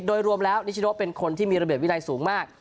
โดยรวมแล้วนิชโนเป็นคนที่มีระเบียบวินัยสูงมาก